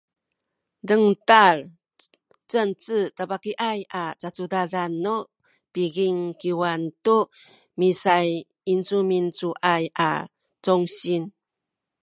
dengtal Cengce tabakiaya a cacudadan nu pikingkiwan tu misayincumincuay a congsin